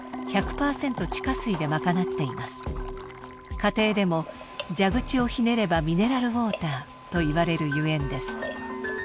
家庭でも「蛇口をひねればミネラルウォーター」といわれるゆえんです。